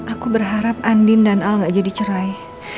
aku berharap andin dan al gak jadi cerai